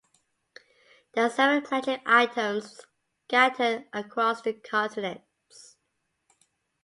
There are seven magic items scattered across the continents.